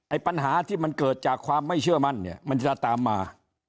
ปัญหาที่มันเกิดจากความไม่เชื่อมั่นเนี่ยมันจะตามมา